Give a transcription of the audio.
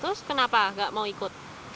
terus kenapa nggak mau ikut